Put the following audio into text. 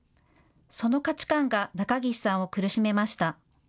その価値観が中岸さんを苦しめました。